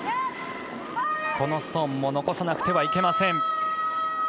このストーンも残さなくてはいけません。